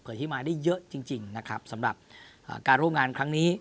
ที่มาได้เยอะจริงนะครับสำหรับการร่วมงานครั้งนี้